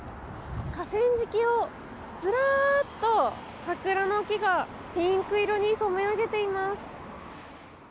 河川敷を、ずらっと桜の木がピンク色に染め上げています。